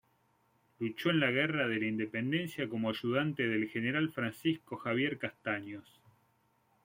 Luchó en la guerra de la Independencia como ayudante del general Francisco Javier Castaños.